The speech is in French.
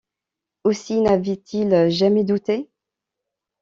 Aussi n’avait-il jamais douté?